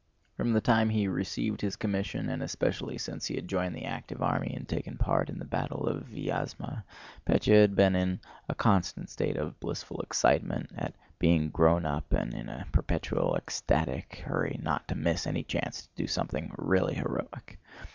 From the time he received his commission, and especially since he had joined the active army and taken part in the battle of Vyázma, Pétya had been in a constant state of blissful excitement at being grown up and in a perpetual ecstatic hurry not to miss any chance to do something really heroic.